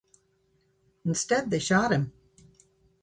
Instead, they shot him.